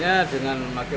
yang lain yang lain yang lain